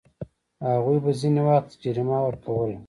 هغوی به ځینې وخت جریمه ورکوله.